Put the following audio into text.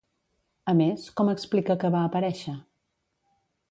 A més, com explica que va aparèixer?